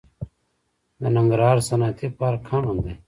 د ننګرهار صنعتي پارک امن دی؟